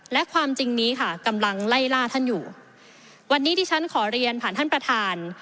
และความจริงนี้ค่ะกำลังไล่ล่าท่านอยู่วันนี้ที่ฉันขอเรียนผ่านท่านประธาน